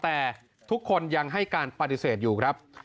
แต่ทุกคนยังให้การปฏิเสธอยู่ครับ